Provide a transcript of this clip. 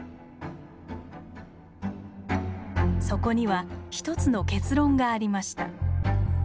そこには１つの結論がありました。